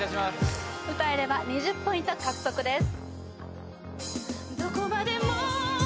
歌えれば２０ポイント獲得です